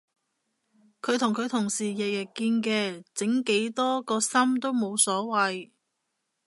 佢同佢同事日日見嘅整幾多個心都冇所謂